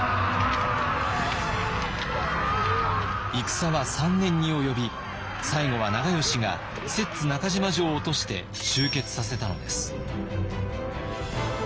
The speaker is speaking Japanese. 戦は３年に及び最後は長慶が摂津中島城を落として終結させたのです。